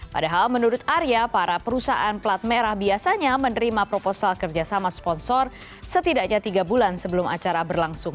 padahal menurut arya para perusahaan plat merah biasanya menerima proposal kerjasama sponsor setidaknya tiga bulan sebelum acara berlangsung